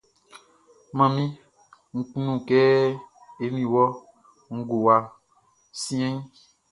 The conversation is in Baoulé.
Manmi, Nʼkunnu kɛ eni wɔ ngowa siɛnʼn.